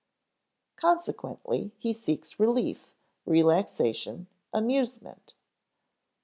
Consequently he seeks relief, relaxation, amusement.